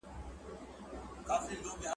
بازاريانو به ساعت کتلی وي.